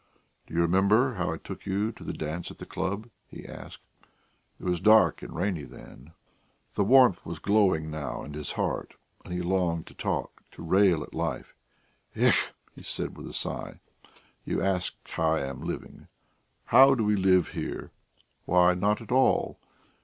"Do you remember how I took you to the dance at the club?" he asked. "It was dark and rainy then ..." The warmth was glowing now in his heart, and he longed to talk, to rail at life.... "Ech!" he said with a sigh. "You ask how I am living. How do we live here? Why, not at all.